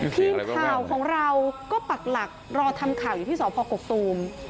ทีมข่าวของเราก็ปักหลักรอทำข่าวอยู่ที่สพกกตูม